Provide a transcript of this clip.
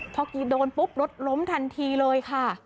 พอกีโดนปุ๊บรถล้มทันทีเลยค่ะ